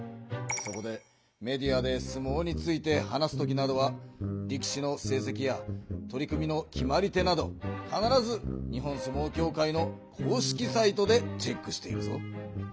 そこでメディアで相撲について話すときなどは力士のせいせきや取組の決まり手などかならず日本相撲協会の公式サイトでチェックしているぞ。